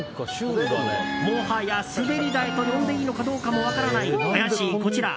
もはや滑り台と呼んでいいものかどうかも分からない怪しいこちら